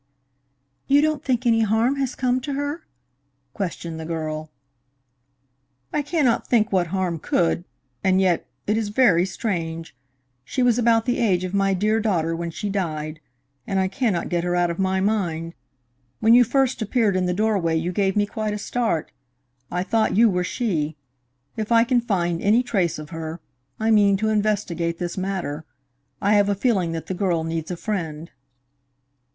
"You don't think any harm has come to her?" questioned the girl. "I cannot think what harm could, and yet it is very strange. She was about the age of my dear daughter when she died, and I cannot get her out of my mind. When you first appeared in the doorway you gave me quite a start. I thought you were she. If I can find any trace of her, I mean to investigate this matter. I have a feeling that that girl needs a friend."